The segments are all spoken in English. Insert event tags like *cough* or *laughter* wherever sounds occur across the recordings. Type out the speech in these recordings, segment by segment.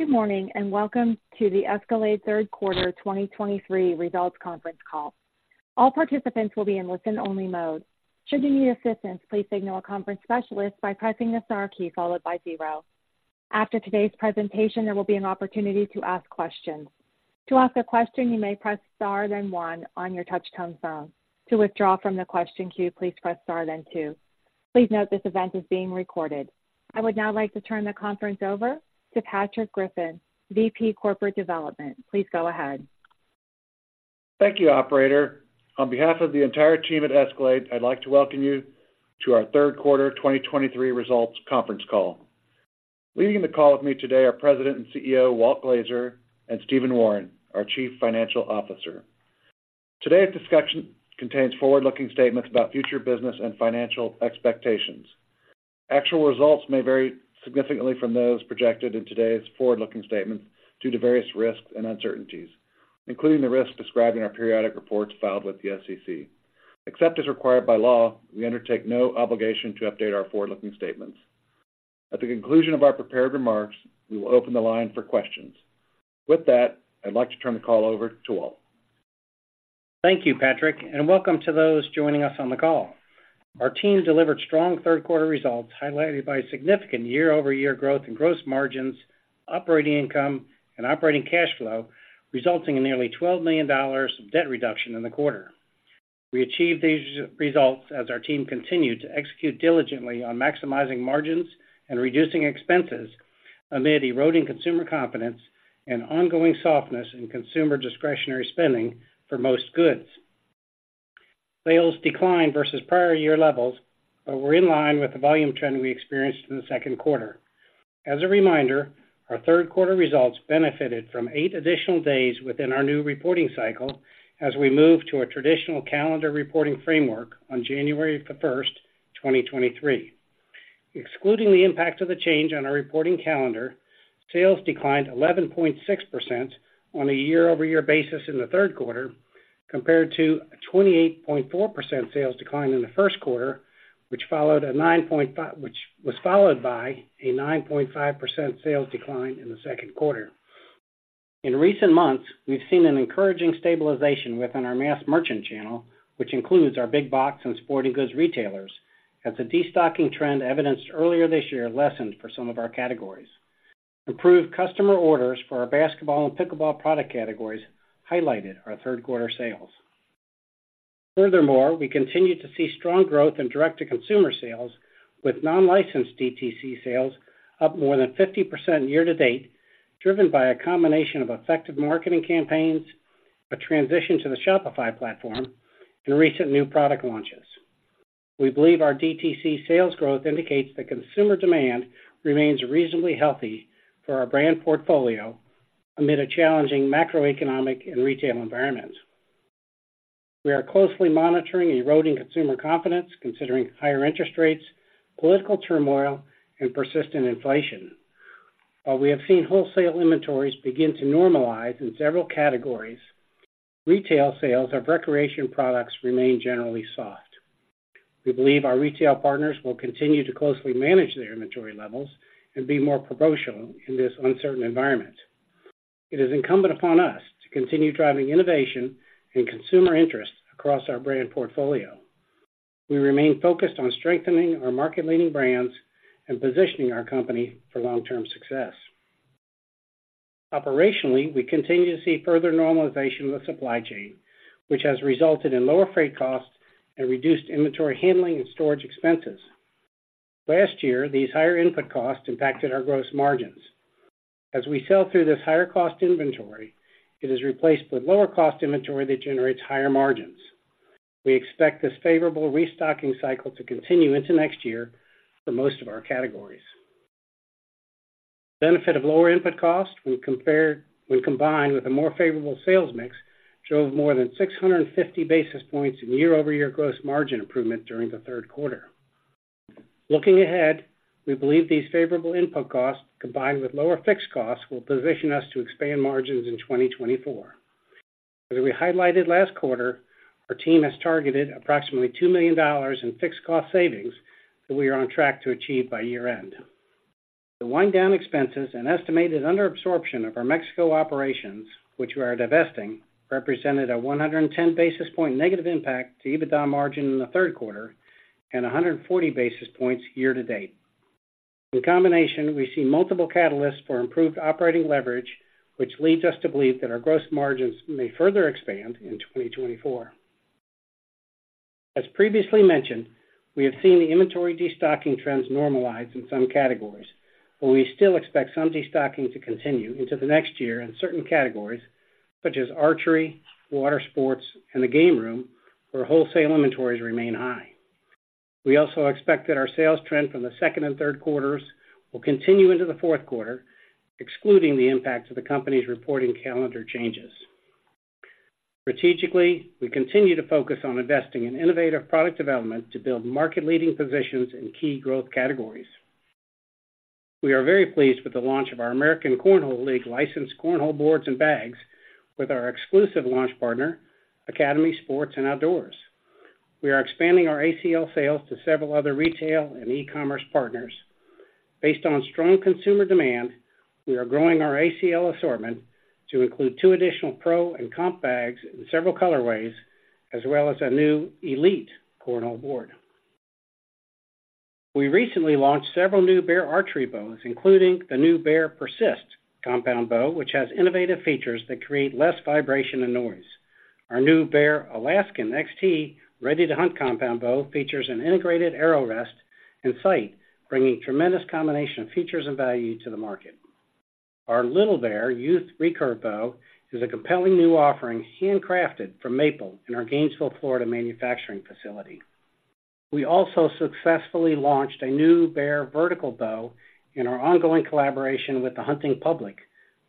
Good morning, and welcome to the Escalade Q3 2023 results conference call. All participants will be in listen-only mode. Should you need assistance, please signal a conference specialist by pressing the star key followed by zero. After today's presentation, there will be an opportunity to ask questions. To ask a question, you may press star, then one on your touchtone phone. To withdraw from the question queue, please press star, then two. Please note this event is being recorded. I would now like to turn the conference over to Patrick Griffin, VP Corporate Development. Please go ahead. Thank you, operator. On behalf of the entire team at Escalade, I'd like to welcome you to our Q3 2023 results conference call. Leading the call with me today are President and CEO Walt Glazer, and Stephen Wawrin, our Chief Financial Officer. Today's discussion contains forward-looking statements about future business and financial expectations. Actual results may vary significantly from those projected in today's forward-looking statements due to various risks and uncertainties, including the risks described in our periodic reports filed with the SEC. Except as required by law, we undertake no obligation to update our forward-looking statements. At the conclusion of our prepared remarks, we will open the line for questions. With that, I'd like to turn the call over to Walt. Thank you, Patrick, and welcome to those joining us on the call. Our team delivered strong Q3 results, highlighted by significant year-over-year growth in gross margins, operating income and operating cash flow, resulting in nearly $12 million of debt reduction in the quarter. We achieved these results as our team continued to execute diligently on maximizing margins and reducing expenses amid eroding consumer confidence and ongoing softness in consumer discretionary spending for most goods. Sales declined versus prior year levels, but were in line with the volume trend we experienced in the Q2. As a reminder, our Q3 results benefited from eight additional days within our new reporting cycle as we moved to a traditional calendar reporting framework on January 1, 2023. Excluding the impact of the change on our reporting calendar, sales declined 11.6% on a year-over-year basis in the Q3, compared to a 28.4% sales decline in the Q1, which was followed by a 9.5% sales decline in the Q2. In recent months, we've seen an encouraging stabilization within our mass merchant channel, which includes our big box and sporting goods retailers, as the destocking trend evidenced earlier this year lessened for some of our categories. Improved customer orders for our basketball and pickleball product categories highlighted our Q3 sales. Furthermore, we continued to see strong growth in direct-to-consumer sales, with non-licensed DTC sales up more than 50% year-to-date, driven by a combination of effective marketing campaigns, a transition to the Shopify platform, and recent new product launches. We believe our DTC sales growth indicates that consumer demand remains reasonably healthy for our brand portfolio amid a challenging macroeconomic and retail environment. We are closely monitoring eroding consumer confidence, considering higher interest rates, political turmoil, and persistent inflation. While we have seen wholesale inventories begin to normalize in several categories, retail sales of recreation products remain generally soft. We believe our retail partners will continue to closely manage their inventory levels and be more promotional in this uncertain environment. It is incumbent upon us to continue driving innovation and consumer interest across our brand portfolio. We remain focused on strengthening our market-leading brands and positioning our company for long-term success. Operationally, we continue to see further normalization of the supply chain, which has resulted in lower freight costs and reduced inventory handling and storage expenses. Last year, these higher input costs impacted our gross margins. As we sell through this higher cost inventory, it is replaced with lower cost inventory that generates higher margins. We expect this favorable restocking cycle to continue into next year for most of our categories. Benefit of lower input cost, when combined with a more favorable sales mix, showed more than 650 basis points in year-over-year gross margin improvement during the Q3. Looking ahead, we believe these favorable input costs, combined with lower fixed costs, will position us to expand margins in 2024. As we highlighted last quarter, our team has targeted approximately $2 million in fixed cost savings that we are on track to achieve by year-end. The wind down expenses and estimated under absorption of our Mexico operations, which we are divesting, represented a 110 basis point negative impact to EBITDA margin in the Q3 and 140 basis points year to date. In combination, we see multiple catalysts for improved operating leverage, which leads us to believe that our gross margins may further expand in 2024. As previously mentioned, we have seen the inventory destocking trends normalize in some categories, but we still expect some destocking to continue into the next year in certain categories such as archery, water sports, and the game room, where wholesale inventories remain high. We also expect that our sales trend from the second and third quarters will continue into the Q4, excluding the impacts of the company's reporting calendar changes. Strategically, we continue to focus on investing in innovative product development to build market-leading positions in key growth categories. We are very pleased with the launch of our American Cornhole League licensed cornhole boards and bags with our exclusive launch partner, Academy Sports and Outdoors. We are expanding our ACL sales to several other retail and e-commerce partners. Based on strong consumer demand, we are growing our ACL assortment to include two additional Pro and Comp bags in several colorways, as well as a new Elite cornhole board. We recently launched several new Bear Archery bows, including the new Bear Persist compound bow, which has innovative features that create less vibration and noise. Our new Bear Alaskan XT Ready to Hunt compound bow features an integrated arrow rest and sight, bringing tremendous combination of features and value to the market. Our Little Bear youth recurve bow is a compelling new offering, handcrafted from maple in our Gainesville, Florida, manufacturing facility. We also successfully launched a new Bear vertical bow in our ongoing collaboration with The Hunting Public,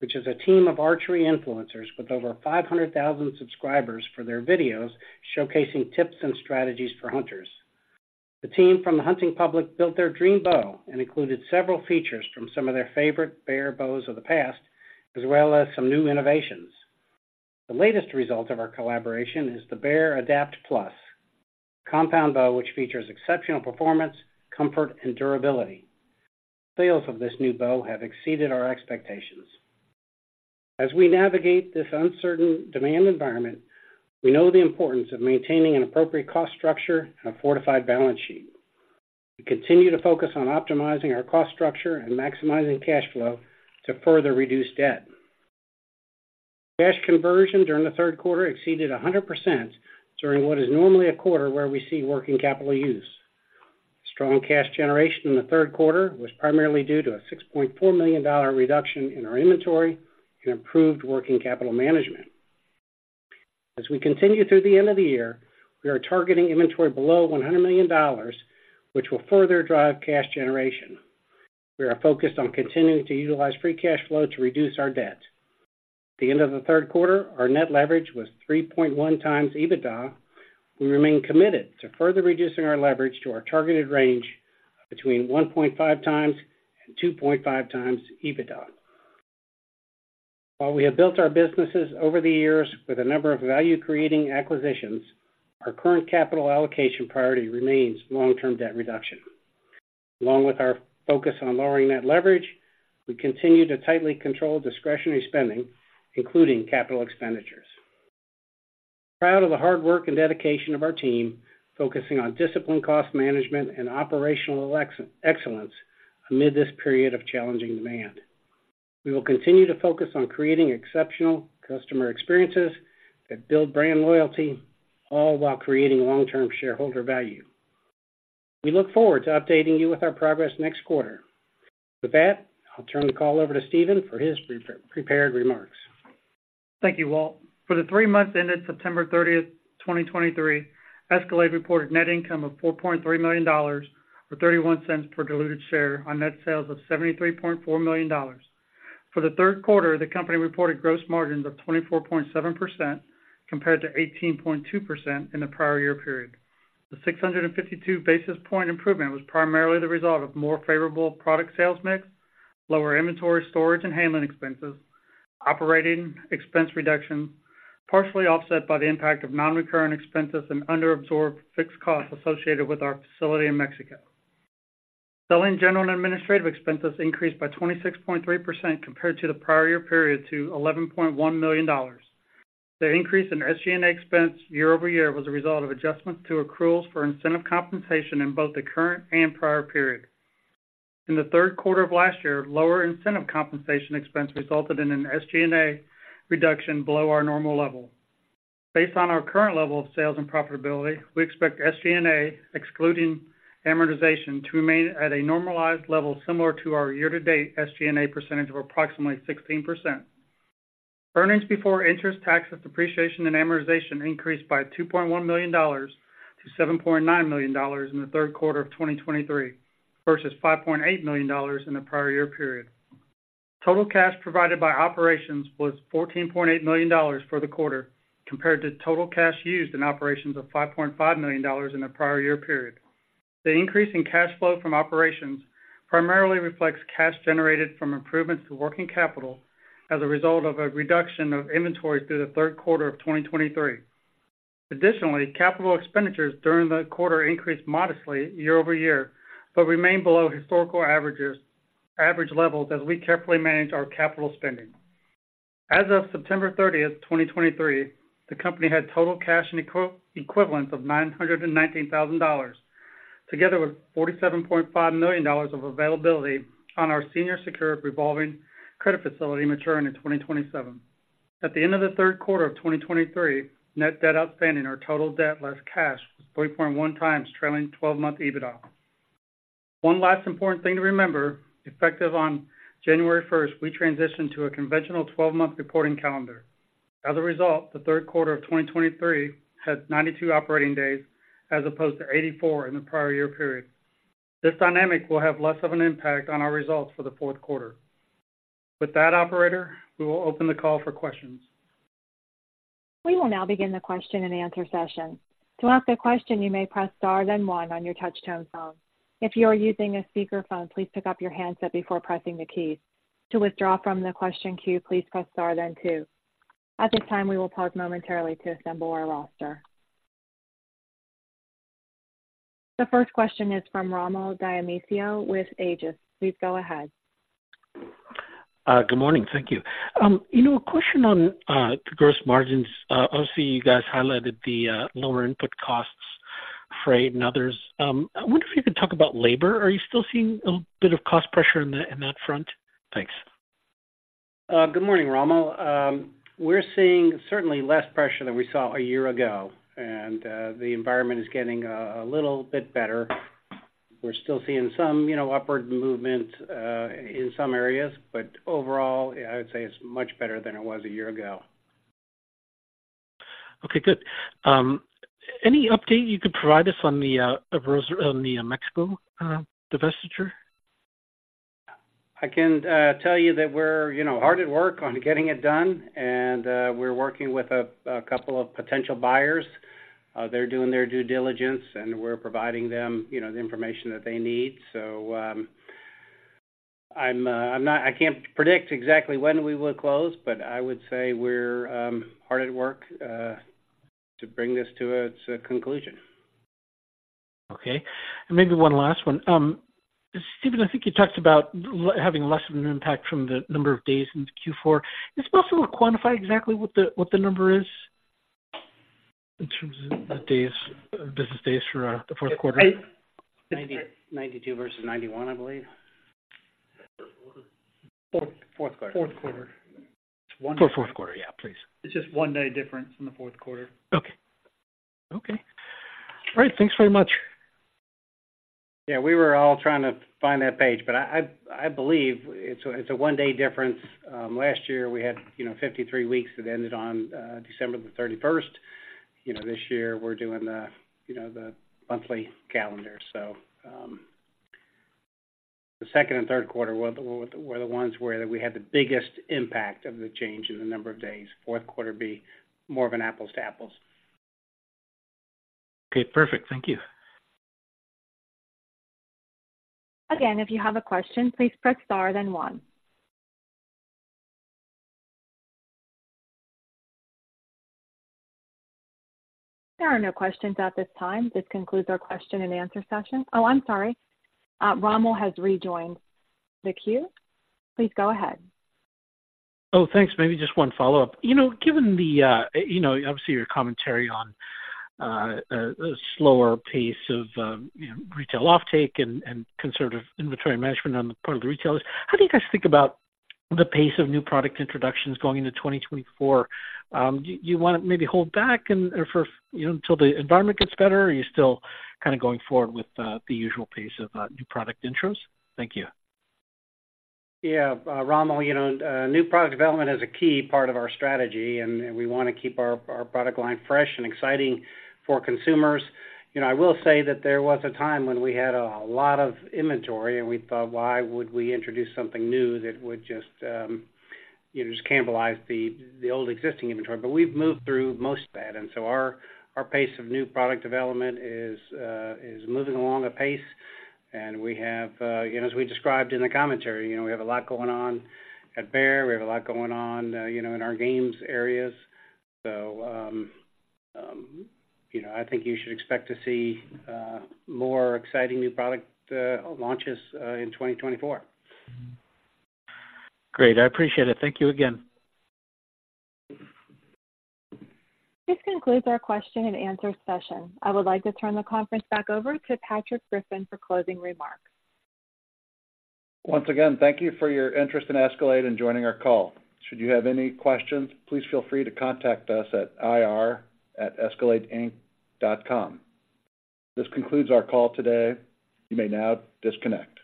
which is a team of archery influencers with over 500,000 subscribers for their videos, showcasing tips and strategies for hunters. The team from The Hunting Public built their dream bow and included several features from some of their favorite Bear bows of the past, as well as some new innovations. The latest result of our collaboration is the Bear Adapt Plus compound bow, which features exceptional performance, comfort, and durability. Sales of this new bow have exceeded our expectations. As we navigate this uncertain demand environment, we know the importance of maintaining an appropriate cost structure and a fortified balance sheet. We continue to focus on optimizing our cost structure and maximizing cash flow to further reduce debt. Cash conversion during the Q3 exceeded 100% during what is normally a quarter where we see working capital use. Strong cash generation in the Q3 was primarily due to a $6.4 million reduction in our inventory and improved working capital management. As we continue through the end of the year, we are targeting inventory below $100 million, which will further drive cash generation. We are focused on continuing to utilize free cash flow to reduce our debt. At the end of the Q3, our net leverage was 3.1x EBITDA. We remain committed to further reducing our leverage to our targeted range between 1.5x and 2.5x EBITDA. While we have built our businesses over the years with a number of value-creating acquisitions, our current capital allocation priority remains long-term debt reduction. Along with our focus on lowering net leverage, we continue to tightly control discretionary spending, including capital expenditures. We're proud of the hard work and dedication of our team, focusing on disciplined cost management and operational excellence amid this period of challenging demand. We will continue to focus on creating exceptional customer experiences that build brand loyalty, all while creating long-term shareholder value. We look forward to updating you with our progress next quarter. With that, I'll turn the call over to Stephen for his prepared remarks. Thank you, Walt. For the three months ended September 30, 2023, Escalade reported net income of $4.3 million, or $0.31 per diluted share on net sales of $73.4 million. For the Q3, the company reported gross margins of 24.7%, compared to 18.2% in the prior year period. The 652 basis point improvement was primarily the result of more favorable product sales mix, lower inventory storage and handling expenses, operating expense reduction, partially offset by the impact of non-recurring expenses and under-absorbed fixed costs associated with our facility in Mexico. Selling, general, and administrative expenses increased by 26.3% compared to the prior year period to $11.1 million. The increase in SG&A expense year-over-year was a result of adjustments to accruals for incentive compensation in both the current and prior period. In the Q3 of last year, lower incentive compensation expense resulted in an SG&A reduction below our normal level. Based on our current level of sales and profitability, we expect SG&A, excluding amortization, to remain at a normalized level similar to our year-to-date SG&A percentage of approximately 16%. Earnings before interest, taxes, depreciation, and amortization increased by $2.1 million to $7.9 million in the Q3 of 2023, versus $5.8 million in the prior year period. Total cash provided by operations was $14.8 million for the quarter, compared to total cash used in operations of $5.5 million in the prior year period. The increase in cash flow from operations primarily reflects cash generated from improvements to working capital as a result of a reduction of inventory through the Q3 of 2023. Additionally, capital expenditures during the quarter increased modestly year-over-year, but remained below historical average levels as we carefully manage our capital spending. As of September 30, 2023, the company had total cash and equivalence of $919,000, together with $47.5 million of availability on our senior secured revolving credit facility maturing in 2027. At the end of the Q3 of 2023, net debt outstanding, our total debt less cash, was 3.1x trailing twelve-month EBITDA. One last important thing to remember, effective on January 1, we transitioned to a conventional twelve-month reporting calendar. As a result, the Q3 of 2023 had 92 operating days as opposed to 84 in the prior year period. This dynamic will have less of an impact on our results for the Q4. With that, operator, we will open the call for questions. We will now begin the question and answer session. To ask a question, you may press star, then one on your touchtone phone. If you are using a speakerphone, please pick up your handset before pressing the keys. To withdraw from the question queue, please press star, then two.... At this time, we will pause momentarily to assemble our roster. The first question is from Rommel Dionisio with Aegis. Please go ahead. Good morning. Thank you. You know, a question on the gross margins. Obviously, you guys highlighted the lower input costs, freight and others. I wonder if you could talk about labor. Are you still seeing a little bit of cost pressure in that, in that front? Thanks. Good morning, Rommel. We're seeing certainly less pressure than we saw a year ago, and the environment is getting a little bit better. We're still seeing some, you know, upward movement in some areas, but overall, I would say it's much better than it was a year ago. Okay, good. Any update you could provide us on the Mexico divestiture? I can tell you that we're, you know, hard at work on getting it done, and we're working with a couple of potential buyers. They're doing their due diligence, and we're providing them, you know, the information that they need. So, I can't predict exactly when we will close, but I would say we're hard at work to bring this to its conclusion. Okay. And maybe one last one. Stephen, I think you talked about having less of an impact from the number of days in Q4. Is it possible to quantify exactly what the number is in terms of the days, business days for the Q4? 90, 92 versus 91, I believe. Q4. *crosstalk* Q4. Q4. One- For Q4, yeah, please. It's just one day difference in the Q4. Okay. Okay. All right, thanks very much. Yeah, we were all trying to find that page, but I believe it's a one-day difference. Last year we had, you know, 53 weeks that ended on December 31st. You know, this year we're doing the monthly calendar. So, the second and Q3 were the ones where we had the biggest impact of the change in the number of days. Q4 be more of an apples to apples. Okay, perfect. Thank you. Again, if you have a question, please press Star then One. There are no questions at this time. This concludes our question and answer session. Oh, I'm sorry, Rommel has rejoined the queue. Please go ahead. Oh, thanks. Maybe just one follow-up. You know, given the, you know, obviously, your commentary on, a slower pace of, you know, retail offtake and, and conservative inventory management on the part of the retailers, how do you guys think about the pace of new product introductions going into 2024? Do you want to maybe hold back and for, you know, until the environment gets better, or are you still kind of going forward with, the usual pace of, new product intros? Thank you. Yeah, Rommel, you know, new product development is a key part of our strategy, and we wanna keep our product line fresh and exciting for consumers. You know, I will say that there was a time when we had a lot of inventory, and we thought, why would we introduce something new that would just, you know, just cannibalize the old existing inventory? But we've moved through most of that, and so our pace of new product development is moving along apace, and we have, you know, as we described in the commentary, you know, we have a lot going on at Bear, we have a lot going on, you know, in our games areas. So, you know, I think you should expect to see more exciting new product launches in 2024. Great. I appreciate it. Thank you again. This concludes our question and answer session. I would like to turn the conference back over to Patrick Griffin for closing remarks. Once again, thank you for your interest in Escalade and joining our call. Should you have any questions, please feel free to contact us at ir@escaladeinc.com. This concludes our call today. You may now disconnect.